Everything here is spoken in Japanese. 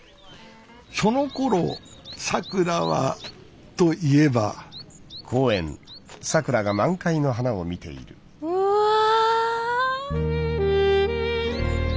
そのころさくらはといえばわあ。